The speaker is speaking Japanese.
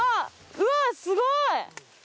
うわっすごい！